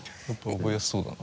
覚えやすそうだな。